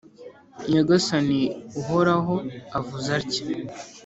Nyagasani Uhoraho avuze atya :